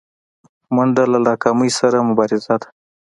منډه له ناکامۍ سره مبارزه ده